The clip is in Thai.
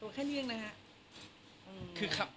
ตัวแค่เนื่องนะฮะ